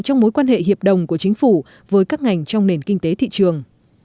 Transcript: trong mối quan hệ hiệp đồng của chính phủ với các ngành trong nền kinh tế thị trường